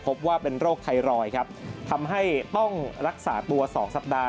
พบว่าเป็นโรคไทรอยด์ครับทำให้ต้องรักษาตัว๒สัปดาห